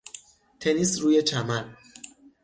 تنیس روی چمن